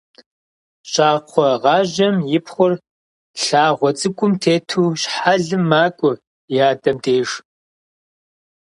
Щӏакхъуэгъажьэм и пхъур, лъагъуэ цӏыкӏум тету щхьэлым макӏуэ и адэм деж.